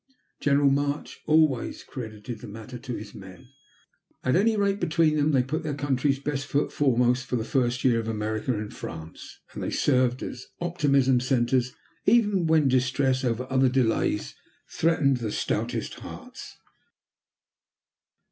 General March always credited the matter to his men. At any rate, between them they put their country's best foot foremost for the first year of America in France, and they served as optimism centres even when distress over other delays threatened the stoutest hearts.